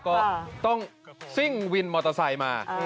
ก็ต้องซิ่งวินมอเตอร์ไซค์มา